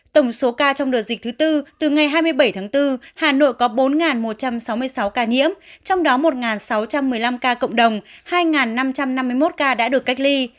tổng số ca trong đợt dịch thứ tư từ ngày hai mươi bảy tháng bốn hà nội có bốn một trăm sáu mươi sáu ca nhiễm trong đó một sáu trăm một mươi năm ca cộng đồng hai năm trăm năm mươi một ca đã được cách ly